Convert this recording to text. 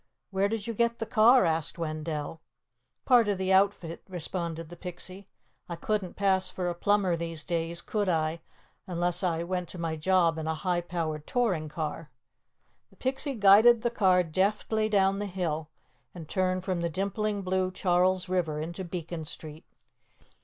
"Where did you get the car?" asked Wendell. "Part of the outfit," responded the Pixie. "I couldn't pass for a plumber, these days, could I, unless I went to my job in a high powered touring car?" The Pixie guided the car deftly down the hill, and turned from the dimpling blue Charles River into Beacon Street.